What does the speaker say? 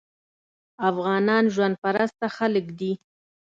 افغانان ژوند پرسته خلک دي.